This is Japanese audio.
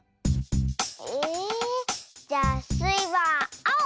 えじゃあスイはあお！